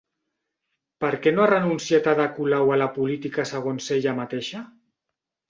Per què no ha renunciat Ada Colau a la política segons ella mateixa?